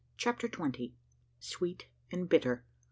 CHAPTER TWENTY. SWEET AND BITTER.